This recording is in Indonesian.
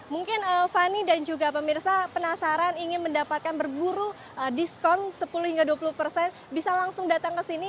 mungkin fani dan juga pemirsa penasaran ingin mendapatkan berburu diskon sepuluh hingga dua puluh persen bisa langsung datang ke sini